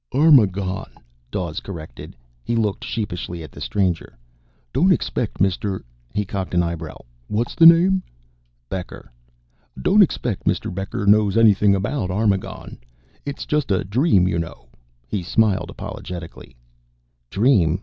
"_Arma_gon," Dawes corrected. He looked sheepishly at the stranger. "Don't expect Mister " He cocked an eyebrow. "What's the name?" "Becker." "Don't expect Mr. Becker knows anything about Armagon. It's just a dream, you know." He smiled apologetically. "Dream?